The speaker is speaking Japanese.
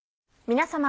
皆様。